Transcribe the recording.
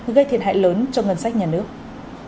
gây thiệt hại lớn cho ngân sách nhà nước